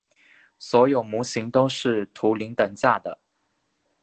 所有模型都是图灵等价的。